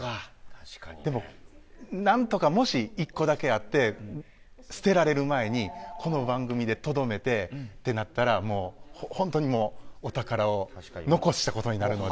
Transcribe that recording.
でも、何とかもし１個だけあって捨てられる前に、この番組でとどめてってなったら本当にお宝を残したことになるので。